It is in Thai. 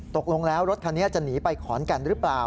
ตกลงแล้วรถคันนี้จะหนีไปขอนแก่นหรือเปล่า